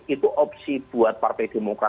itu opsi buat partai demokrat